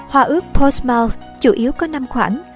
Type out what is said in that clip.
hòa ước portsmouth chủ yếu có năm khoản